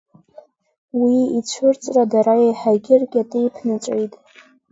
Уи ицәырҵра дара еиҳагьы ркьатеи ԥнаҵәеит.